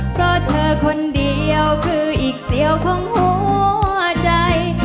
เพราะเธอคนเดียวคืออีกเสี่ยวของหัวใจ